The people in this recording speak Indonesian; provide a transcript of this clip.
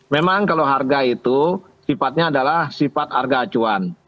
memang kalau harga itu sifatnya adalah sifat harga acuan